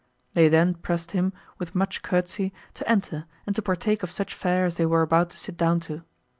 They then pressed him, with much courtesy, to enter, and to partake of such fare as they were about to sit down to.